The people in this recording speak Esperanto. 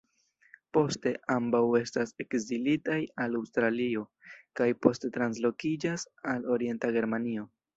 Poste, ambaŭ estas ekzilitaj al Aŭstralio, kaj poste translokiĝas al Orienta Germanio.